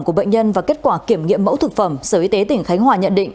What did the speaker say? của bệnh nhân và kết quả kiểm nghiệm mẫu thực phẩm sở y tế tỉnh khánh hòa nhận định